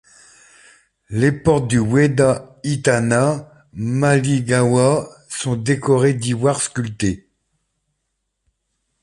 Les portes du Weda Hitana Maligawa sont décorées d'ivoire sculpté.